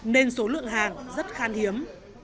nên số lượng hàng rất khan hiếm